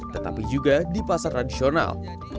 tetapi juga di pasar tradisional